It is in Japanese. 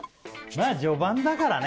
まあ序盤だからね